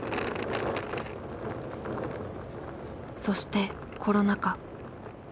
そしてコロナ禍。